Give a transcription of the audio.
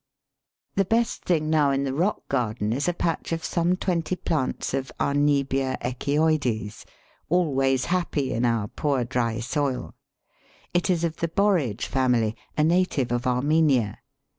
The best thing now in the rock garden is a patch of some twenty plants of Arnebia echioides, always happy in our poor, dry soil. It is of the Borage family, a native of Armenia.